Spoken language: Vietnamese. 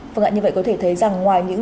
vâng ạ như vậy có thể thấy rằng ngoài những